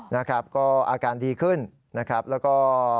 นะครับก็อาการดีขึ้นนะครับแล้วก็